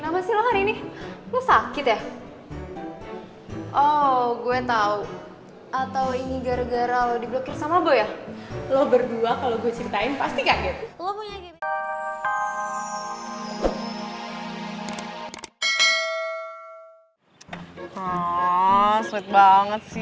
baik hati dan tidak sombong